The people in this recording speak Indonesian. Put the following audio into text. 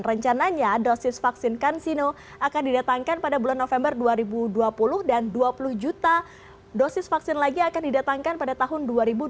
rencananya dosis vaksin kansino akan didatangkan pada bulan november dua ribu dua puluh dan dua puluh juta dosis vaksin lagi akan didatangkan pada tahun dua ribu dua puluh